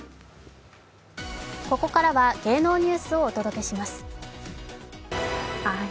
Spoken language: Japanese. ここからは芸能ニュースをお届けします。